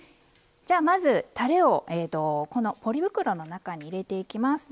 じゃまずたれをこのポリ袋の中に入れていきます。